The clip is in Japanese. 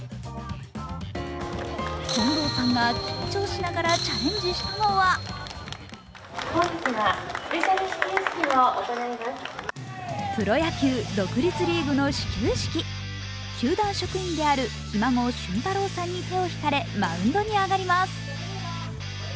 近藤さんが緊張しながらチャレンジしたのはプロ野球独立リーグの始球式球団職員であるひ孫・俊太郎さんに手を引かれマウンドに上がります。